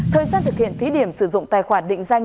thời gian thực hiện thí điểm sử dụng tài khoản định danh